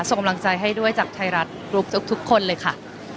ส่งกำลังใจให้ด้วยจากไทยรัฐกรุ๊ปทุกคนเลยค่ะ